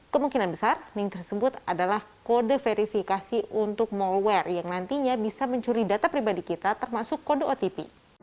kemungkinan besar link tersebut adalah kode verifikasi untuk malware yang nantinya bisa mencuri data pribadi kita termasuk kode ott